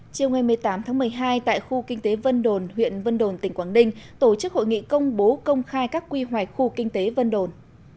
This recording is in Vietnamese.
chiều ngày một mươi tám tháng một mươi hai tại khu kinh tế vân đồn huyện vân đồn tỉnh quảng ninh tổ chức hội nghị công bố công khai các quy hoạch khu kinh tế vân đồn